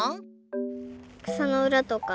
くさのうらとか？